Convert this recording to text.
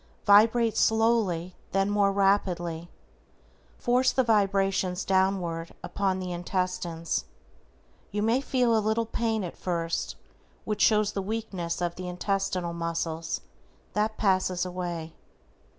Vibrate slowly then more rapidly. Force the vibrations downward upon the intestines. You may feel a little pain at first, which shows the weakness of the intestinal muscles, that passes away.